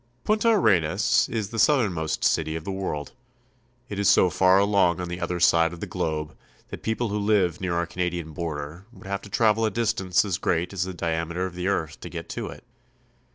PUNTA ARENAS is the southernmost city of the world. It is so far along on the other side of the globe that people who live near our Canadian border would have to travel a distance as great as the diameter of the earth to get to it.